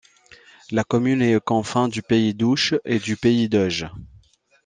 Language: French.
La commune est aux confins du pays d'Ouche et du pays d'Auge.